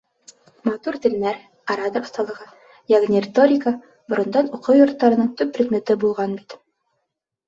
Матур телмәр, оратор оҫталығы, йәғни риторика борондан уҡыу йорттарының төп предметы булған бит.